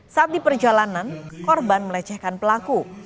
saat di perjalanan korban melecehkan pelaku